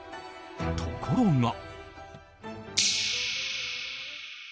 ところが。